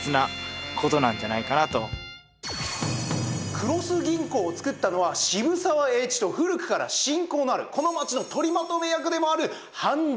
黒須銀行を作ったのは渋沢栄一と古くから親交のあるこの町の取りまとめ役でもある繁田満義。